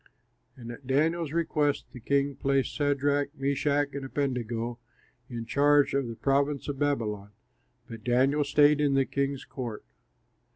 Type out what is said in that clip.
And at Daniel's request the king placed Shadrach, Meshach, and Abednego in charge of the province of Babylon; but Daniel stayed in the king's court.